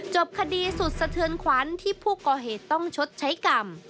จบคดีสุดสะเทือนขวัญที่ผู้ก่อเหตุต้องชดใช้กรรม